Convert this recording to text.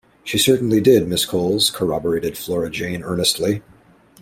“She certainly did, Miss Coles,” corroborated Flora Jane earnestly.